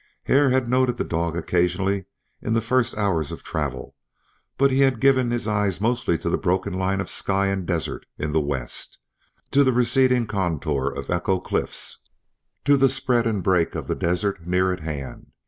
Hare had noted the dog occasionally in the first hours of travel, but he had given his eyes mostly to the broken line of sky and desert in the west, to the receding contour of Echo Cliffs, to the spread and break of the desert near at hand.